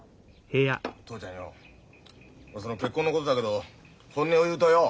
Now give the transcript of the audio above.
父ちゃんよその結婚のことだけど本音を言うとよ